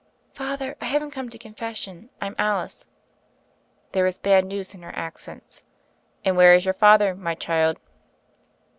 "Father, I haven't come to confession. I'm Alice." There was bad news in her accents. "And where is your father, my child?"